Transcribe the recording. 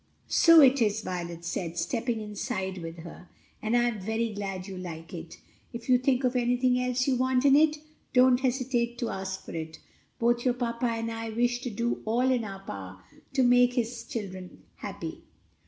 "So it is," Violet said, stepping inside with her, "and I am very glad you like it. If you think of anything else you want in it, don't hesitate to ask for it; both your papa and I wish to do all in our power to make his children happy."